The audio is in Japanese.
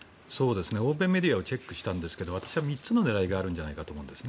欧米メディアをチェックしたんですが私は３つの狙いがあるんじゃないかと思うんです。